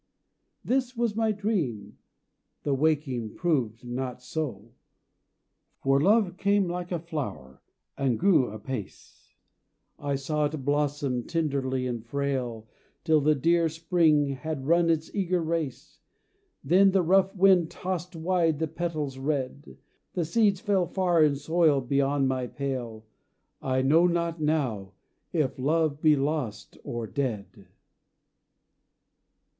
This was my dream the waking proved not so For love came like a flower, and grew apace; I saw it blossom tenderly and frail Till the dear Spring had run its eager race, Then the rough wind tossed wide the petals red; The seeds fell far in soil beyond my pale. I know not, now, if love be lost, or dead.